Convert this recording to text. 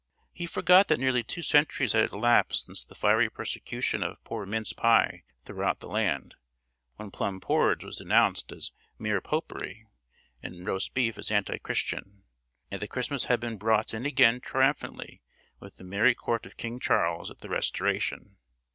He forgot that nearly two centuries had elapsed since the fiery persecution of poor mince pie throughout the land; when plum porridge was denounced as "mere popery," and roast beef as antichristian; and that Christmas had been brought in again triumphantly with the merry court of King Charles at the Restoration.